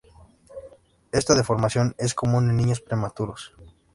Esta deformación es común en niños prematuros.